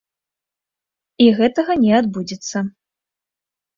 І гэтага не адбудзецца.